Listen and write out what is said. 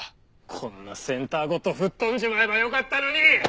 こんなセンターごと吹っ飛んじまえばよかったのに！